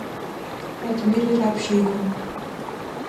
Радмир ирабжьеигон.